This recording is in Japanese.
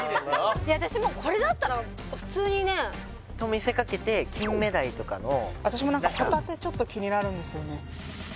私もうこれだったら普通にねと見せかけて金目鯛とかの私もほたてちょっと気になるんですよね